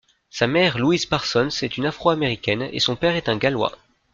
Sa mère, Louise Parsons est une afro-américaine et son père est un Gallois.